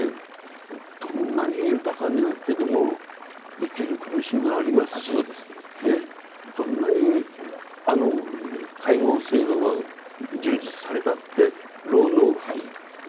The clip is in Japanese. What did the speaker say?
どんなに豊かになってでも生きる苦しみがありますしどんなに介護制度が充実されたって老の悲しみや不安があるわけです。